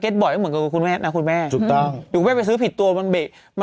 จริงแพงเกือบทุกตัวนะ